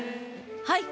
はい。